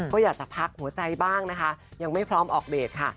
ก็อยากจะพักหัวใจบ้างนะคะยังไม่พร้อมออกเดทค่ะ